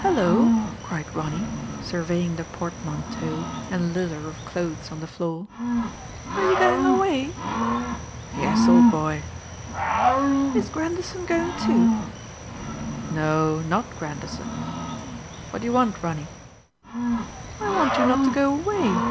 "HuUoa!" cried Ronny, surveying the port manteau and the litter of clothes on the floor, " are you going away ?"" Yes, old boy." " Is Grandison going too ?"" No ; not Grandison. What do you want, Ronny ?"" I want you not to go away